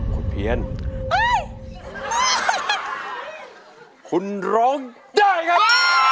คุณเพียรคุณร้องได้ครับ